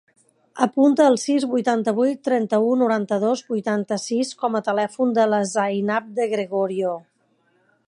Apunta el sis, vuitanta-vuit, trenta-u, noranta-dos, vuitanta-sis com a telèfon de la Zainab De Gregorio.